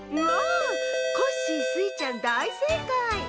コッシースイちゃんだいせいかい！